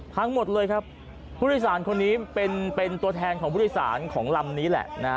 พังหมดเลยครับผู้โดยสารคนนี้เป็นตัวแทนของผู้โดยสารของลำนี้แหละนะฮะ